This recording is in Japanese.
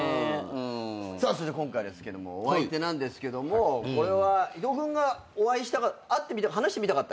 そして今回ですけどもお相手なんですけどもこれは伊藤君が話してみたかった人？